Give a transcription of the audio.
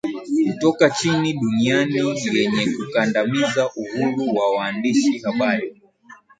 kutoka chini duniani yenye kukandamiza uhuru wa waandishi habari